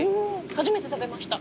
初めて食べました。